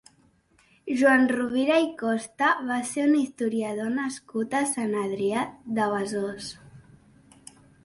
Joan Rovira i Costa va ser un historiador nascut a Sant Adrià de Besòs.